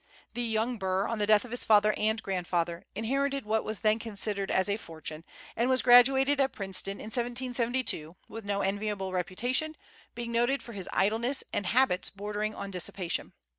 The young Burr, on the death of his father and grandfather, inherited what was then considered as a fortune, and was graduated at Princeton in 1772, with no enviable reputation, being noted for his idleness and habits bordering on dissipation.